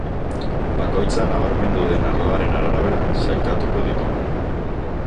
Bakoitza nabarmendu den arloaren arabera sailkatuko ditugu.